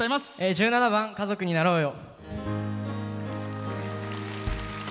１７番「家族になろうよ」。